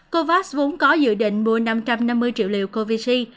covax vốn có dự định mua năm trăm năm mươi triệu liều covid